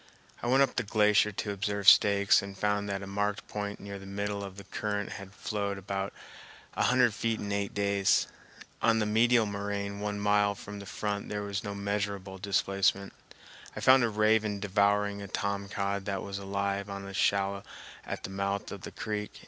I went up the glacier to observe stakes and found that a marked point near the middle of the current had flowed about a hundred feet in eight days. On the medial moraine one mile from the front there was no measureable displacement. I found a raven devouring a tom cod that was alive on a shallow at the mouth of the creek.